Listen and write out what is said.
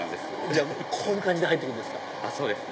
じゃあこういう感じで入っていくんですか。